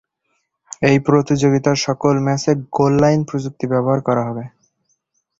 এই প্রতিযোগিতার সকল ম্যাচে গোল-লাইন প্রযুক্তি ব্যবহার করা হবে।